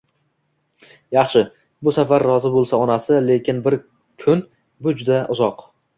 Yaxshi, bu safar rozi bo`ldi onasi, lekin bir kun bu juda uzoq